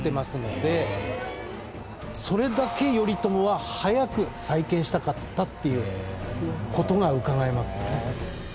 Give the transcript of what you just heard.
それだけ頼朝は早く再建したかったっていう事がうかがえますよね。